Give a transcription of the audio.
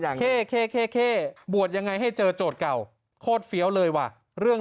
เคบวชยังไงให้เจอโจทย์เก่าโคตรเฟี้ยวเลยว่ะเรื่อง